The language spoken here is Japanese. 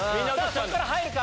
そっから入るか？